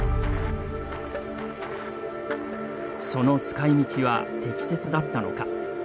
その使い道は適切だったのか。